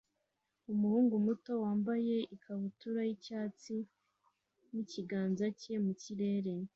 umuhungu muto wambaye ikabutura y'icyatsi n'ikiganza cye mu kirere